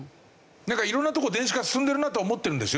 なんか色んなとこ電子化進んでるなとは思ってるんですよ。